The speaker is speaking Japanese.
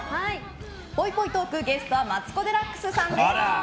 ぽいぽいトーク、ゲストはマツコ・デラックスさんです。